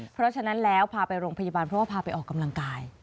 เพราะฉะนั้นแล้วพาไปโรงพยาบาลเพราะว่าพาไปออกกำลังกาย